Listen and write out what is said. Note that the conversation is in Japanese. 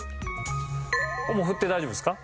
もう振って大丈夫ですか？